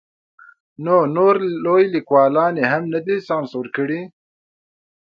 نو نور لوی لیکوالان یې هم نه دي سانسور کړي.